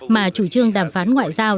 mà chủ trương đàm phán ngoại giao